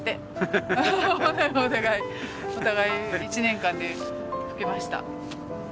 お互い１年間で老けました。